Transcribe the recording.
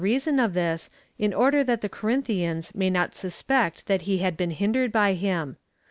reason of this, in order that the Corinthians may not suspect that he had been hindered by him.